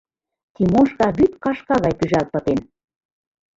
Тимошка вӱд кашка гай пӱжалт пытен.